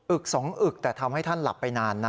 ึกสองอึกแต่ทำให้ท่านหลับไปนานนะ